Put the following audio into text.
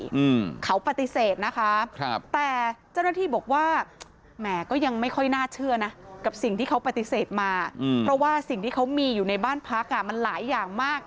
อืมเขาปฏิเสธนะคะครับแต่เจ้าหน้าที่บอกว่าแหมก็ยังไม่ค่อยน่าเชื่อนะกับสิ่งที่เขาปฏิเสธมาอืมเพราะว่าสิ่งที่เขามีอยู่ในบ้านพักอ่ะมันหลายอย่างมาก